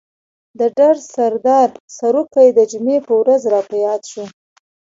د ډر سردار سروکی د جمعې په ورځ را په ياد شو.